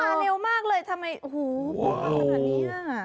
แล้วมาเร็วมากเลยทำไมโหมันมาแบบนี้